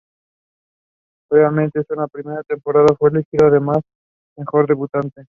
Previamente, en su primera temporada fue elegido además mejor debutante.